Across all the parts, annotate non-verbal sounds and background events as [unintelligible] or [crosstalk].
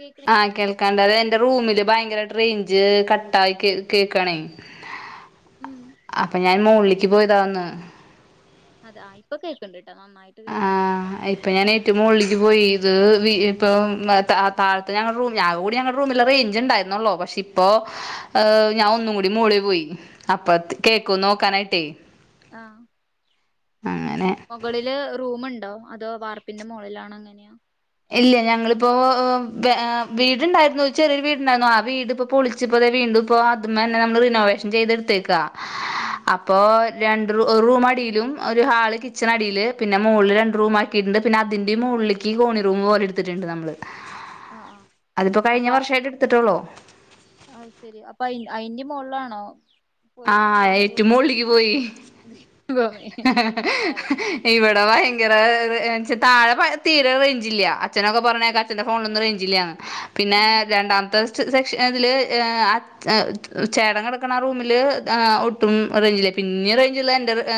കേക്ക്ണ് ആഹ് കേൾക്കാണ്ട് അതെ എന്റെ റൂമില് ഭയങ്കരമായിട്ട് റേഞ്ച് കട്ടാ യി കേക്കണേ ഉം അപ്പ ഞാൻ മോളിലേക് അതന്നെ പോയതാന്ന് അതാ ഇപ്പൊ കേൾക്കണ്ട് ആഹ് ഇപ്പൊ ഞാൻ ഏറ്റും മോളിലേക് പോയി ഇത് ഇപ്പം താ താഴത്തെ ഞങ്ങളുടെ റൂമില് ആകെ കൂടി ഞങ്ങളുടെ റൂമില റേഞ്ച് ഉണ്ടായിരുന്നുള്ളോ പക്ഷെ ഇപ്പോ ഏ ഞാൻ ഒന്നും കൂടി മോളിൽ പോയി അപ്പ കേക്കും നോക്കാനായിട്ടേ ആഹ അങ്ങനെ മുകളില് റൂമ്ണ്ടോ അതോ വാർപ്പിന്റെ മോളിലണോ അങ്ങനെയാ ഇല്ല ഞങ്ങളിപ്പോ ഏ വീടുണ്ടായിരുന്നു ചെറിയരു വീടുണ്ടായിരുന്നു ആ വീടിപ്പോ പൊളിച്ചപ്പോതേ വീ ഇപ്പോ അത് മ്മെ തന്നെ നമ്മള് റിനോവേഷൻ ചെയ്തെടുത്തേക്കാ ഹേ ഉം അപ്പോ രണ്ട് റൂം ഒരു റൂം അടിയിലും ഒരു ഹാള് കിച്ചൺ അടിയില് പിന്നെ പിന്നെ മോളിൽ രണ്ട് റൂം ആക്കിയിട്ട് ണ്ട് അതിന്റെ മോളിലേക് കോണി റൂം പോലെ എടുത്തിട്ടുണ്ട് നമ്മള് ആഹ് ആഹ് അതിപ്പോ കഴിഞ്ഞ വർഷായിട്ട് എടുത്തിട്ടൊള്ളു അയ്ശെരി അപ്പൊ അയിന്റിം മോളിലാണോ പോയി ആഹ കോണി ഏറ്റും റൂമിന്റെ മോളില്ക് പോയി റൂമ് അത് ശരി ഇവിടെ വയങ്കര താഴെ തീരെ റേഞ്ചില്ല്യ അച്ഛനൊക്കെ ഉം പറഞ്ഞേ അച്ഛന്റെ ഫോണിലൊന്നും റേഞ്ചില്ല്യാന്ന് പിന്നെ ഉം രണ്ടാമത്തെ സെക്ഷൻ ഇതില് ചേട്ടൻകിടക്കണറൂ. ഒട്ടും റേഞ്ചില് പിന്നെ റേഞ്ച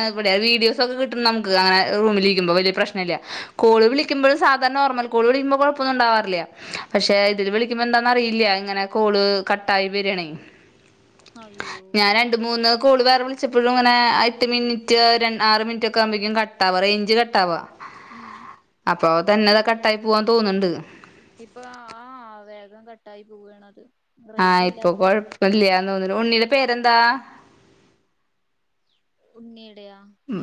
എവിടെ വീഡിയോസ് ഒക്കെ കിട്ടും നമുക്ക് അങ്ങനെ. വലിയപ്രശ്നല്ല കോൾ ഉം വിളിക്കുമ്പോൾ.. നോർമൽ കോള് വിളിക്ക്പോ കുഴപ്പൊന്ന ഉണ്ടാറില്ല പക്ഷെ ഇതില് വിളിക്കുമ്പോ എന്താന്ന അറിയില്ല ഇങ്ങനെ കോള്. കട്ടായി വരികയാണ്. അയ്യോ ഞാൻ രണ്ട് മൂന്ന്. കൂളി വേറെ വിളിച്ചപ്പോഴും ഇങ്ങനെ എട്ട് മിനിറ്റ് ആറ് മിനിറ്റ് ഒക്കെകുമ്പോഴക്കും കട്ടാകറേഞ്ച് കട്ട് ആവാ. ഉം അപ്പൊ തന്നെതാ കട്ടായി പോവാൻ തോന്നുന്നുണ്ട്. ഇപ്പൊ ആഹ വേഗം കട്ടായി പോവാണ് അത്. ആഹ ഇപ്പൊ കൊഴപ്പില്ലയന്നേ ഉണ്ണിയുടെ പേരെന്താ. ഉണ്ണിയേടയാ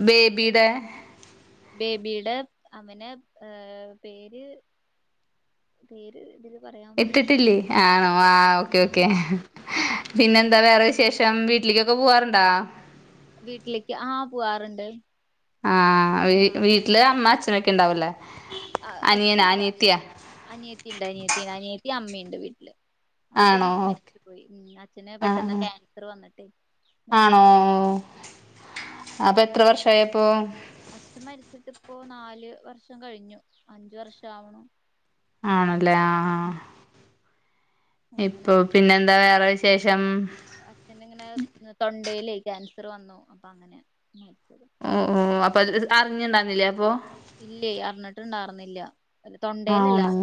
ബേബിയുടെ ബേബി ടെ. അവനെ ഏഹ പേര് പേര് ഇതില്. പറയാൻ പാടില്ല ഇട്ടിട്ടില്ലേ ആ ആ ഓക്കേ ഓക്കേ. പിന്നെന്താ വേറെശേഷം വീട്ടിലേക്കൊക്കെ പോവാറുണ്ടാ. വീട്ടിലേക്ക് ആഹ പോവാറുണ്ട്. ആ ആഹ വീട്ടില് അമ്മ അച്ഛനൊക്കെ ഉണ്ടാവല്ലേ. ആ അച്ഛല്ല അനിയത്തിയുണ്ട് അനിയത്തിഅനിയത്തി അമ്മയുണ്ട് വീട്ടില്. അച്ഛൻ ആണോ ഓക്കെ മരിച്ചുപയി അച്ഛന് ആഹ് പെട്ടെന്ന് ആഹ് ക്യാൻസർ വന്നിട്ട്. ആണോ ഓ. അപ്പൊ എത്ര വർഷയപ്പോ. അച്ഛൻ മരിച്ചിട് ഇപ്പോൊ നാല് വർഷം കഴിഞ്ഞു അഞ്ചു വർഷ ആ കുണു. ആണല്ലേ ആഹ ആ. അങ്ങനെ ഇപ്പൊ പിന്നെന്താ വേറെ വിശേഷം. അച്ഛന് ഇങ്ങനെ തൊണ്ടല്ലേ ക്യാൻസർ വന്നു അപ്പൊ അങ്ങനെ. മരിച്ചത് ഓ ഓ അപ്പൊ അത് അറിഞ്ഞിണ്ടുന്നില്ലേ അപ്പൊ. ഇല്ല അറിഞ്ഞിട്ട് ഇണ്ടാവർുന്നില്ല തൊണ്ടേലല്ല. ആണോ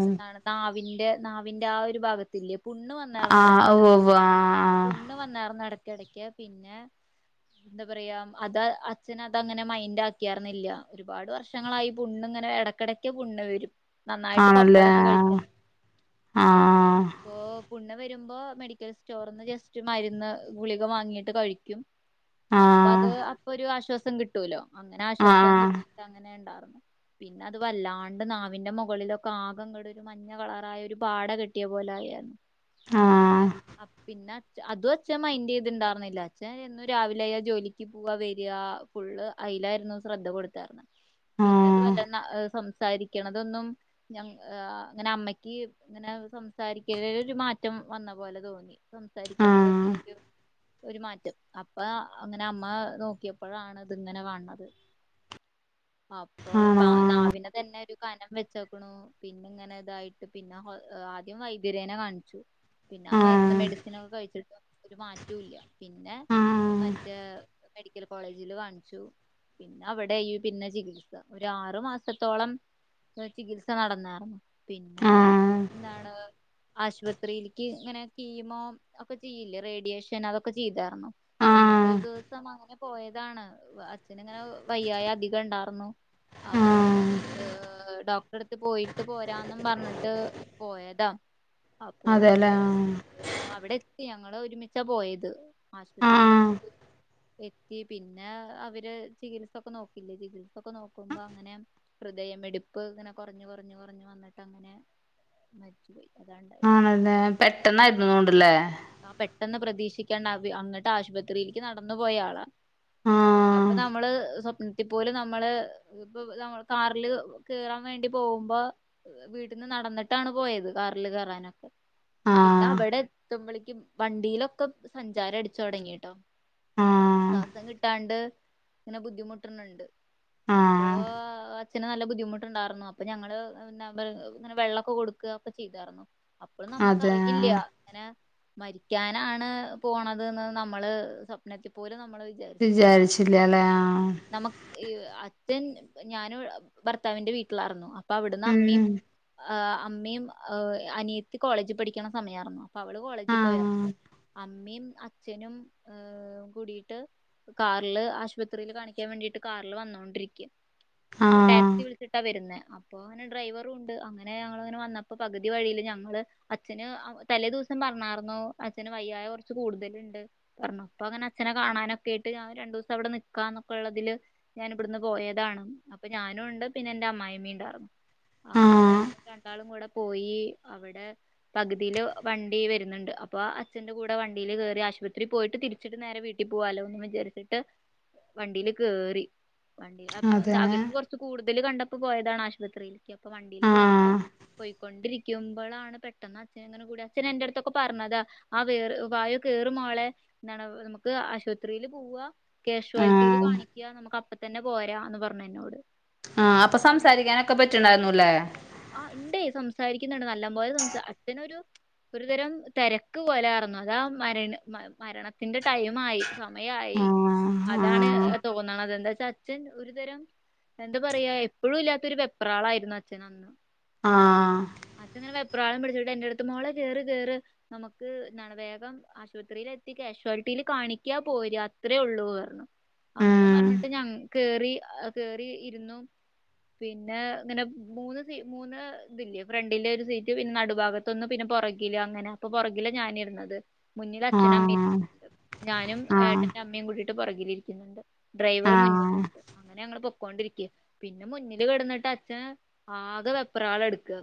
ന്റെ നാവിന്റെ ആ ഒരു ഭാഗത്തിേ. പുണ്ണ് ആഹ് ഓ വന്നാർന്നടക്കടക്ക് വ്വ് ആഹ് പുണ്ണ് വന്നാർന്നടക്കിടയ്ക്ക് പിന്നെ. എന്താ പറയാ അത് അച്ഛന അത അങ്ങനെ മൈൻഡ് ആക്കിയാർുന്നില്ല ഒരുപാട് വർഷം. വക്ഷങ്ങളായി പുണ്ണി ഇങ്ങെ ഇടയ്ക്കിടക്ക് പുണ്ണ് വരും. ആഹ് നന്നായിട്ട് ആണല്ലേ പപ്പടൊക്കെ കഴിക്കും ആഹ് അപ്പൊ. പുണ്ണ് വരുമ്പോ മെഡിക്കൽ സ്റ്റോറിന്ന് ജസ്റ്റ് മരുന്ന് ഗുളിക വാങ്ങിട്ട് കഴിക്കും. അപ്പൊ അത് ആഹ് അപ്പൊ ഒരു ആശ്വാസം കിട്ടൂലോ അങ്ങനെ ആഹ് ആശ്വാസം ആഹ് കിട്ടിട്ട് അങ്ങനെ. പിന്നെ അത് വല്ലാണ്ട് നാവിന്റെ മുകളിലൊക്കെ ആക കട ഒരു മഞ്ഞ കളറായ ഒരു പാട. കിട്ടിയ പോലെ ആയിരുന്നു അങ്ങനെ പിന്നെ അതും അച്ഛൻ മൈഡേ ചെയ്തിണ്ടായിരുന്നില്ല അച്ഛൻ എന്നന്ന് രാവിലെ അയ ജോലിക്ക് പോവാ വരാ ഫുള്ള്. ജോലിയിലാരുന്നു ശ്രദ്ധ കൊടുത്ത ർന്ന് ആഹ് പിന്നെത് വല്ല.. സംസാരിക്കണതൊന്നും അങ്ങനെ അമ്മയ്ക്ക് ഇങ്ങനെ സംസാരിക്ക ഒരു മാറ്റം. വന്ന പോലെ തോന്നി സംസാരിക്കണത്. ആഹ് ഒരു മാറ്റം അപ്പ അങ്ങനെ അമ്മ നോക്കിയപ്പോഴാണ് ഇത് ഇങ്ങനെ കാണത്. അപ്പൊ ആണോ നാവിനെ തന്നെ ഒരു കനം. വെച്ചോക്കണു പിന്ന ഇങ്ങനെ ഇതായിട്ട് പിന്നെ ആദ്യം വൈദ്യരേനെ കാണിച്ചു. പിന്നെ ആ മരുന്ന് ആഹ് മെഡിസിന ഒക്കെ കഴിച്ചിട്ടോ.. ഒരു മാറ്റവുംല്ല പിന്നെ ആഹ് മറ്റേ മെഡിക്കൽ കോളേജില് കാണിച്ചു. പിന്നെ അവിടെ ഈ പിന്നെ. ചികിത്സ ഒ ആറു മാസത്തോളം ചികിത്സ നടന്നായിരുന്നു പിന്നെ. ആഹ് ആഹ് എന്താണ്. ആശുപത്രിയിലേക്ക് ഇങ്ങനെ- കീമോ ഒക്കെ ചെയ്യില്ലേ? റേഡിയേഷൻ അതൊക്കെ ചെയ്ത. എന്നിട്ട് ഒരു ദിവസം അങ്ങനെ പോയതാണ് അച്ഛന് ഇങ്ങനെ വയ്യായി അധികണ്ടാ ന്നു അപ്പൊ ആഹ് ഏ ഡോക്ടറെട്ത്ത് പോയിട്ട് പോരാന്നും പർഞ്ഞിട്ട് പോയതാ ആ പോയി അതെല്ലേ ആഹ് ആ അവിടെ എ ത്തി ഞങ്ങള് ഒരുമിച്ച പോയത് ആശുപത്രിയെ ആഹ് എത്തി എത്തി പിന്നെ അവര് ചികിത്സ ഒക്ക നോക്കില്ലേ ചികിത്സ ഇപ്പ നോക്കുമ്പോ അങ്ങനെ ഹൃദയമെടുപ്പ് ഇങ്ങനെ കൊറഞ്ഞ് കൊറഞ്ഞ് കൊറഞ്ഞു വന്നിട്ട അങ്ങനെ മരിച്ചു പോയി. അതാണ്ടായത് ആണല്ലെ പെട്ടെന്നായിരുന്നൊണ്ട്ലെ ആ പെട്ടെന്ന് പ്രതീക്ഷിക്കാണ്ട അവി അങ്ങട്ട് ആശുപത്രിയിക്ക് നടന്ന് പോയ ആളാ അപ്പൊ ആഹ് നമ്മള് സ്വപ്നത്തി പോലും മ്മള് ഇപ്പൊ ഇത് മ്മള് കാറില് കേറാൻ വേണ്ടി പോവുമ്പ വീട്ടിന്ന് നടന്നിട്ടാണ് പോയത് കാറില് കേറാനൊക്കെ. പിന്നെ ആഹ് അവിടെത്ത്മ്പളക്ക് വണ്ടീ ലൊക്കെ സഞ്ചാര അടിച്ച് തൊ ടങ്ങിട്ടോ ആഹ് ശ്വാസം കിട്ടാണ്ട് ഇങ്ങനെ ബുദ്ധി അപ്പൊ ആഹ് അച്ഛന് നല്ല ബുദ്ധിമുട്ടുണ്ടാറ്ന്നു അപ്പോ ഞങ്ങള് പിന്നെ അവടെ ഇങ്ങനെ- വെള്ളൊക്കെ കൊടു- ക്ക് ക്കെ ചെയ്താർന്നു അപ്പളും അതെ നമ്മക്കറിയില്ല ആഹ് ങ്ങനെ മരിക്കാനാണ് പോണത് ന്ന് നമ്മള് സ്വപ്നത്തി പോലും നമ്മള് വിചാരിച്ചിട്ടുണ്ടായിരുന്നില്ല വിചാരിച്ചില്ലാല്ലേ ആ നമ അച്ഛൻ ഞാന് ഭർത്താവിന്റെ വീട്ട്ലാര് ന്നു അപ്പ അവിട്ന്ന് അമ്മീം ഉം ആ അമ്മീം അനിയത്ത് കോളേജിൽ പഠിക്ക്ണ സമയാര്ന്നു അവള് കോളേജിൽ ആഹ് പോയർക് അമ്മീം അ അച്ഛനും ഹ്.. കൂടിട്ട് കാറ്ല് ആശുപത്രീല് കാണിക്കാൻ വേണ്ടിട്ട്. കാറില് വന്നൊണ്ടിരിക്ക് അപ്പൊ ആഹ് ടാക്സി വിളിച്ചിട്ടാ വെരുന്നേ അപ്പൊ ഓന്ഡ്രൈവറു ഉണ്ട് അങ്ങനെ ഞങ്ങള്ങ്ങനെ വന്നപ്പോ പകുതി വഴിയില് ഞങ്ങള് അച്ഛന് തലേ ദിവസ് അച്ഛൻ പറഞ്ഞാർന്നു അച്ഛന് വയ്യായ കൊറച്ച് കൂടുതലിണ്ട് പറഞ്ഞപ്പ അങ്ങനെ അച്ഛനെ കാണാനൊക്കെട്ട് [inaudible] ഞാൻ ഇബ്ട്ന്ന് പോയതാണ് അപ്പ ഞാനു ഉണ്ട് പിന്നെ ഇന്റ അമ്മായിമ്മീ ണ്ടാര്ന്നു ആഹ് [unintelligible] രണ്ടാളും കൂടെ പോയി അവിടെ പകിതീൽ വണ്ടി വെറുന്നിണ്ട് അപ്പോ അച്ഛന്റെ കൂടെ വണ്ടിയില് കേറി ആശുപത്രി പോയിട്ട് തിരിച്ചിട്ട് നേരെ വീട്ടിൽ പോവാല്ലോന്ന് വിചാരിച്ചിട്ട്. വണ്ടിയില് കേറി വണ്ടിന്ന് അപ്പ അതെ എന്താ അവർക്ക് കൊറച്ച് കൂടുതൽ കണ്ടപ്പോ പോയതാണ് ആശുപത്രിൽക്ക് ഇപ്പൊ വണ്ടീല് കേറീട്ട് ആഹ് പോയിക്കൊണ്ടിരി ക്കുമ്പളാണ് പെട്ടെന്ന് അച്ഛന്ങ്ങന് കൂടി അച്ഛന് എന്റ അടുത്തോക്കെ പറഞ്ഞത് ആ കേര്.. വായോ കേറ് മോളെ. എന്താണ് നമുക്ക് ആശുപത്രിയില് പോവ് ക്യാഷ്വലിറ്റിയില് ആഹ് കാണിക്ക് നമുക്ക് അപ്പ തന്നെ പോരാ ന്ന് പറഞ്ഞ് എന്നോട് ആ അപ്പൊ അങ്ങനെ പറഞ്ഞിട്ട് സംസാരിക്കാനൊക്കെ പറ്റിണ്ടായിരുന്നുല്ലേ ക്കിന്ന്ണ്ട് നല്ലം പോലെ അച്നൊരു ഒരുതരം തെരക്ക് പോലെ ആർന്നു അതാ മരെണെ മ മരണത്തിന്റെ ടൈം ആയി സമയായി ആഹ് അതാണ് ആഹ് തോന്ന്ണത് എന്തെ അച്ഛൻ ഒരു തരം എന്താ പറയാ എപ്പോഴും ഇല്ലാത്ത ഒരു വെപ്ര റാളായിരുന്നു അച്ഛന് അന്ന്. ആ പ്രാളം പിടിച്ചിട്ട് എന്റട്ത്ത് മോളെ കേറ്, കേറ് നമുക്ക് ന്നാണ് വേഗം ആശുപത്രിയിൽ എത്തി കാഷ്വാലിറ്റി ല് കാണിക്ക് പോര് അത്രേ ഒള്ളൂർ ഞ്ഞു. അങ്ങനെ ഉം പർഞ്ഞി ട്ട് ഞൻ കേറി, കേറി ഇരുന്നു പിന്നെ ഇങ്ങനെ മൂന്ന് സി മൂന്ന് ഇതില്ലെ ഫ്രണ്ടിലെ ഒരു സീറ്റ് പിന്നെ നടുഭാഗത്തൊന്നും പിന്നെ പുറകില് അങ്ങനെ അപ്പൊ പുറകില ഞാനി ഇര്ന്നത് മുന്നിൽ അച്ഛനും അമ്മീം ആഹ് ഞാനും ആഹ് ഏട്ടന്റെ അമ്മയും കൂടീട്ട് പുറകിലിരി ക്കുന്നുണ്ട്. ഡ്രൈവർ ആഹ് മുന്നിലുണ്ട്. അങ്ങനെ ഞങ്ങള് പൊക്കോണ്ടിരിക്ക പിന്നെ മുന്നില് കിടന്നിട്ട് അച്ഛൻ ആകെ വെപ്രാളെട്ക്ക്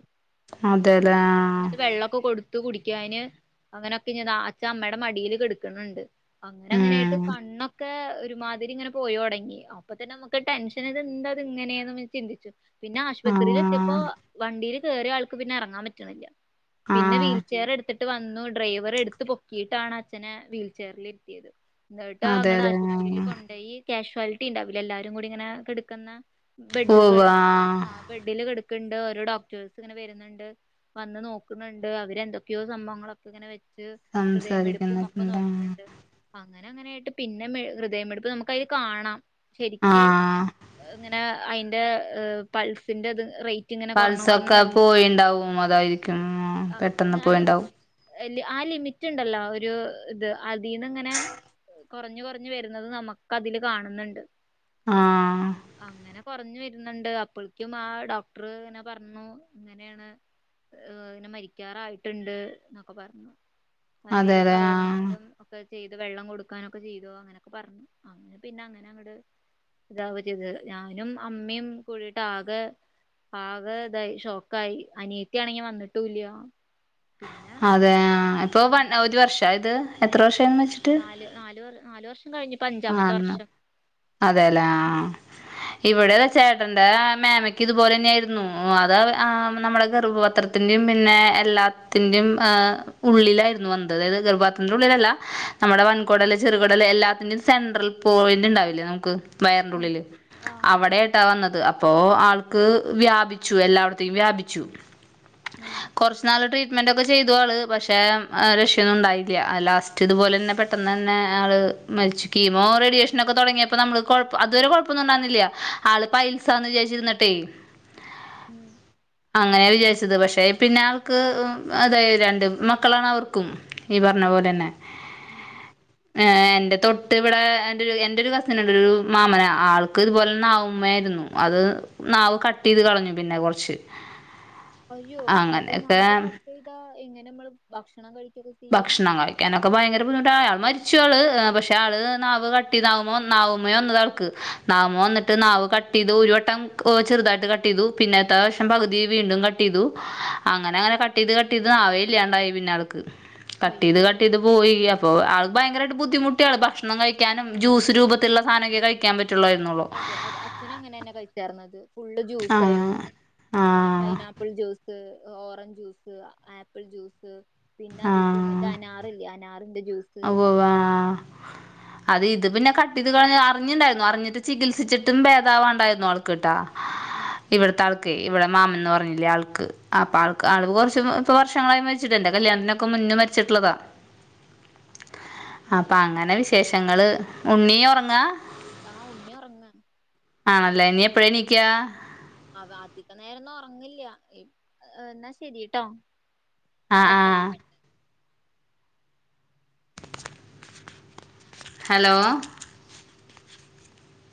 അതെല്ലേ ആ ആഹ് എന്നിട്ട് വെള്ളമൊക്കെ കൊടുതു പി [unintelligible] അങ്ങനൊക്കെ ഇത് അച്ച അമ്മയുടെ മടിൽ കെടക്കണണ്ട് അങ്ങനെ അങ്ങനെയായിട്ട് ഉം കണ്ണാ ക്കെ ഒരുമാതിരി ഇ പോയ തുടങ്ങി അപ്പ തന്നെ നമുക്ക് പോയോടങ്ങി അപ്പേതീനും നമുക്ക് പോയേടങ്ങി അപ്പൊത്തന്നെ നമ്മക്ക് ടെൻഷൻ എന്താ ഇത് ഇങ്ങനെയന്ന് ചിന്തിച്ചു പിനെ ആശുപത്രിയിൽ എത്തിയപ്പോ ആഹ് പോ വണ്ടിയിൽ കേയറിയ ആൾക്ക് പിന്നെ ഇറങ്ങാൻ പറ്റ്ണില്ല. പിന്നെ ആഹ് വീൽ ചെയെയർ എടുത്തിട്ട് വന്നു ഡ്രൈവർ എടുത് പൊക്കിയിട്ടാണ് അച്ഛനെ വീൽചായറിൽ ഇരുത്തിയത്. ന്നിട്ട അങ്ങട്ട് അതെല്ലേ ആശുപത്രിയിൽ കൊണ്ടോയി കാഷ്വാലിറ്റി ണ്ടാവൂലെ എല്ലാരും കൂടി ഇങ്ങനെ കിടക്കന്നേ ബെഡ്കൾ ഉവ്വ് ആഹ് ആ ബെഡിൽ ണ്ട് ഓരോ ഡോക്ടേഴ്സ് ഇങ്ങനെ കിടക്കണ്ട് ഓരോ ഡോക്ടർസ് ഇങ്ങനെ വരുന്നുണ്ട്, വന്ന് നോക്കുന്നുണ്ട് അവർ എന്തൊക്കെയോ സംഭവങ്ങളൊക്കെ ഇങ്ങെനെ. [unintelligible] ഹൃദയമെടുപ്പും ഒക്കെ സംസാരിക്കുന്നൊക്കെണ്ട് നോക്കുന്നുണ്ട്. അങ്ങനെ അങ്ങനെയായിട്ട് പിന്നെ മേ ഹൃദയമെടുപ്പ് നോ ത് ഒക്കെ അയിൽ കാണാം ശെരിക്ക് ആഹ് ഇങ്ങനെ അയിന്റെ പൾസിന്റെത് റേറ്റ് ഇങ്ങനെ കൊറഞ്ഞ് കൊറഞ്ഞ് പൾസൊക്കെ വരണ്ട് പോയിണ്ടാവും അതായിരിക്കും പെട്ടെന്ന് അത് പോയിണ്ടാവും. ആ ലിമിറ്റുണ്ടല്ലോ ഒരു ഒരു ഇത് അതിൽന്ന് ഇങ്ങനെ കുറഞ്ഞ് കൊറഞ്ഞ് വരുന്നത് നമുക്ക് അതിൽ കാണുന്നുണ്ട്. ആഹ് അങ്ങനെ കുറഞ്ഞു വ ണ്ട് അപ്പോഴക്കും ആ ഡോക്ടർ ഇങ്ങനെ പറഞ്ഞു ഇങ്ങനെയാണ് അ ഇങ്ങനെ മരിക്കാറായിട്ടുണ്ട് എന്നൊക്കെ പറഞ്ഞു. എന്തെേലും അതെല്ലേ ആഹ് പറയയാണെങ്കിലും ഒക്കെ ചെയ്ത് വെള്ളം കൊടുക്കാനൊക്കെ ചെയ്തോ അങ്ങനെയൊക്കെ പറഞ്ഞു. അങ്ങനെ പിന്നെ അങ്ങനെ അങ്ങട്ട് ഇതാ ഒരു ഇത് ഞാനും അമ്മയും കൂടിയിട്ട് ആകെ ആകെ ഇതായി ഷോക്കായി ആനിയതിയാണെങ്കി വന്നിട്ടൂല്ല. പിന്നെ അതെ ഇപ്പൊ വ ഒരു വർഷം ആയോതു എത്ര വർഷം നാല് നാല് വർഷം കഴിഞ്ഞു ഇപ്പൊ അഞ്ചാമത്തെ ആഹ് വർഷം. അതെല്ലേ ആ. ഇവിടെ ചേട്ടന്റെ മേമയ്ക്ക് ഇതുപോലെ തന്നെയായിരുന്നു അത്ഹ നമ്മുടെ ഗർഭപത്രത്തി ത്തിന്റെയും പിന്നെ എല്ലാത്തിന്റെയും ഹ് ഉള്ളിലായിരുന്നു വന്നത് അതായത് ഗർഭപത്രെത്തിന്റെ ഉള്ളിലല്ല. നമ്മുടെ വൻകുടൽ ചെറുകുടൽ എല്ലാത്തിന്റെയും സെൻട്രൽ പോയിന്റ്ണ്ടാവില്ല നമുക്ക് വയറിന്റെ ഉം ഉള്ളിൽ ആഹ് അവിടെയായിട്ട വന്നത്. അത് അപ്പോ ആൾക്ക് വ്യാപിച്ചു എല്ലായിടത്തേും വ്യാപിച്ചു. ഉം കുറച്ച് നാൾ ട്രീട്മെന്റോ ചെയ്തു ആള് പക്ഷേ രഷ്യൊന്നും ഉണ്ടായില്ല. ലാസ്റ്റ് ഇതുപോലെ തന്നെ പെട്ടെന്ന് തന്നെ ആള് മരിച്ചു കീമോ റെഡിഷൻ ഒക്കെ തുടങ്ങി യപ്പോ ഇപ്പൊ നമ്മള് കൊഴപ്പ അതുവരെ കൊഴപ്പൊന്നും ഉണ്ടാന്നില്ല ആള് പൈൽസാന്ന് വിചാരിച്ചിരുന്നിട്ടേ. ഉം അങ്ങനെ വിചാരിച്ചത് പക്ഷെ പിന്നെ അവർക്ക് അതായ രണ്ട് മക്കളാണ് അവർക്കും ഈ പറഞ്ഞ അ പോലെന്നെ. ഉം എന്റെ തൊട്ട് ഇവിടെ എ എന്റെ ഒരു കാസി രു മാമന ആൾക്ക് ഇതുപോലെ നാവമ്മയായിരുന്നു അത് നാവ് കട്ട് ചെയ്ത് കളഞ്ഞു പിന്നെ കൊറച്ച് അയ്യോ അപ്പൊ നാവ് കട്ട് ചെയ്താ എങ്ങനെ നമ്മള് ഭക്ഷണം കഴിക്ക ഭക്ഷണം കഴിക്കാനൊക്കെ ഭയങ്ക ധിമുട്ട മരിച്ചു ആള് പക്ഷെആൾ നാവ് കട്ടേതവമേ നാവിമ്മേ വെന്നതാൾക്ക് നാവിമ്മേ വന്നിട്ട് നാവ് കട്ട് ചെയ്തു ഒരു വട്ടംചെറുതായിട്ട് കട്ട് ചെയ്തു പിന്നെതെ പ്രവിശ്യം പകുതി വീണ്ടും കട്ട് ചെയ്തു. അങ്ങനെ അങ്ങനെ കട്ട് ചെയ്ത് കട്ട് ചെയ്ത് നാവെയില്ലാണ്ടായി പിന്നെൾക്ക്. കട്ട് ചെയ്ത് അയ്യോ കട്ട് ചെയ്ത് പോയി അപ്പൊ ആ ഭയങ്കരായിട്ട് ബുദ്ധിമുട്ടി ആൾ ഭക്ഷണം കഴിക്കാനും ജ്യൂസ് രൂപത്തിലുള്ള സാനം ഒക്കെ കഴിക്കാൻ പറ്റു അതെ അതെ അചൻ അങ്ങനെ തന്നെ കഴിച്ചേർന്നത്. ഫുള്ള് ആ ജ്യൂസ് ആയിരുന്നു. ആ pineapple juice. Orange juice apple juice പിന്നെ അധികം മറ്റേ അനാറല്ലേ അനാറിണ്ട് ഔ ആ [unintelligible] അത് ഇത് പിന്നെ കട്ട് ചെയത് അറിഞ്ഞിുണ്ടായിരുന്നു അറിഞ്ഞിട്ട് ചികിത്സിച്ചിട്ടും ഭേദവാണ്ടായിരുന്നു ആൾക്ക്ട്ടാ ഉം ഇവിടുത്തെ ആൾക്ക്യ് ഇവിടെ മാമന്ന് പറഞ്ഞില്ലേ ആൾക്ക് അപ്പൊ ആൾക്ക് ആൾ കുറച്ച് വർഷങ്ങളായി മരിച്ചിട്ടന്റെ കല്യാണത്തിനൊക്കെ മരി മരിച്ചിട്ടുള്ളതാ [unintelligible] അതെ അപ്പൊ അങ്ങനെ വിശേഷങ്ങള് ഉണ്ണീ ഉറങ്ങാ ആഹ് ഉണ്ണി ഉറങ്ങാ ആണല്ലേ ഇനി എപ്പഴാ നീക്കാ അവ അധികനേരൊന്നും ഉറങ്ങില്ല എന്നാ ശരിയട്ടോ ആ ആ ഹലോ